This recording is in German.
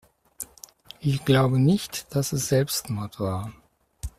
Ich glaube nicht, dass es Selbstmord war.